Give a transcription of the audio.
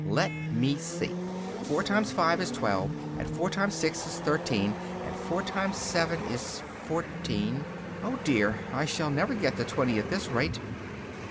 Let me see: four times five is twelve, and four times six is thirteen, and four times seven is fourteen oh dear! I shall never get to twenty at this rate!